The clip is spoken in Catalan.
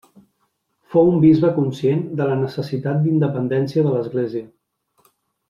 Fou un bisbe conscient de la necessitat d'independència de l'Església.